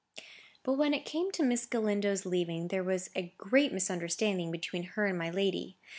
But when it came to Miss Galindo's leaving, there was a great misunderstanding between her and my lady.